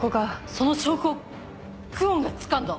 その証拠を久遠がつかんだ。